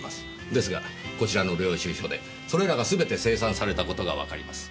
ですがこちらの領収書でそれらが全て清算された事がわかります。